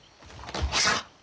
まさか！